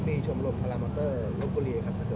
หมอบรรยาหมอบรรยา